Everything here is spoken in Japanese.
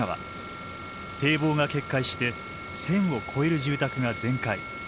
堤防が決壊して１，０００を超える住宅が全壊。